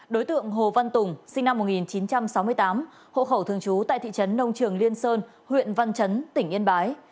đối tượng hồ văn tùng sinh năm một nghìn chín trăm sáu mươi tám hộ khẩu thường trú tại thị trấn nông trường liên sơn huyện văn chấn tỉnh yên bái